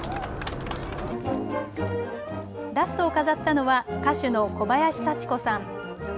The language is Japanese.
ラストを飾ったのは歌手の小林幸子さん。